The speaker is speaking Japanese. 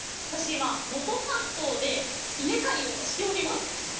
今能登半島で稲刈りをしております。